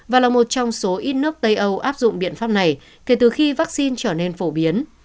và là một trong số ít nước tây âu áp dụng biện pháp này kể từ khi vaccine trở nên phổ biến